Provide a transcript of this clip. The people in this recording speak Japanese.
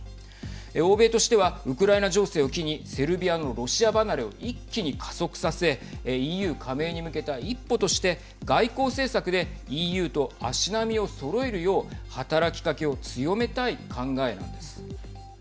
欧米としてはウクライナ情勢を機にセルビアのロシア離れを一気に加速させＥＵ加盟に向けた一歩として外交政策でＥＵと足並みをそろえるよう働きかけを強めたい考えなんです。